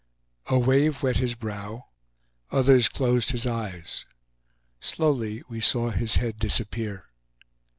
A wave wet his brow; others closed his eyes. Slowly we saw his head disappear.